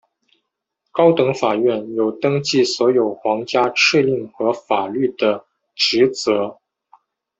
高等法院有登记所有皇家敕令和法律的职责。